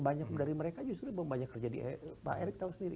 banyak dari mereka justru belum banyak kerja di pak erick tahu sendiri